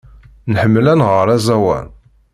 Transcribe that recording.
Nḥemmel ad nɣer aẓawan.